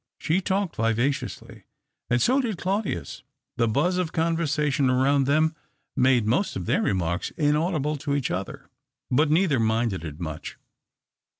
She talked vivaciously, and so did Claudius. The buzz of conversation around them made 190 THE OCTAVE OF CLAUDIUS. most of their remarks inaudible to each other, but neither minded it much.